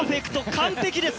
完璧です！